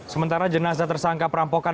sementara jenazah tersangka perampokan